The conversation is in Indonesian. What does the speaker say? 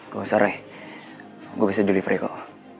gak usah rai gue bisa delivery kok